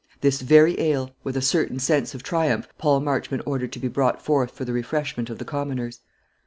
This very ale, with a certain sense of triumph, Paul Marchmont ordered to be brought forth for the refreshment of the commoners.